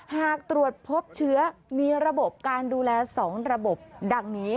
หากตรวจพบเชื้อมีระบบการดูแล๒ระบบดังนี้